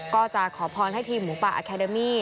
ก็จะขอพรให้ทีมหมูป่าอาคาเดมี่